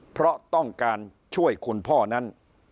เพราะต้องการช่วยคุณพ่อนั้น